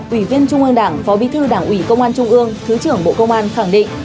ủy viên trung ương đảng phó bí thư đảng ủy công an trung ương thứ trưởng bộ công an khẳng định